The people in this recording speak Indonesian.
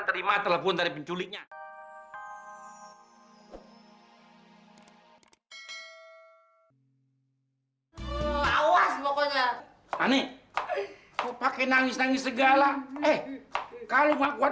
terima telepon dari penculiknya awas pokoknya ani pakai nangis nangis segala eh kalau nggak